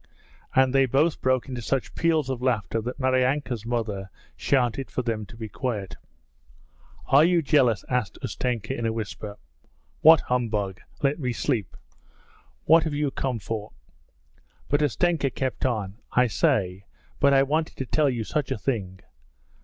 And they both broke into such peals of laughter that Maryanka's mother shouted to them to be quiet. 'Are you jealous?' asked Ustenka in a whisper. 'What humbug! Let me sleep. What have you come for?' But Ustenka kept on, 'I say! But I wanted to tell you such a thing.'